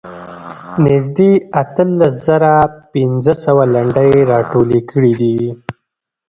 نږدې اتلس زره پنځه سوه لنډۍ راټولې کړې دي.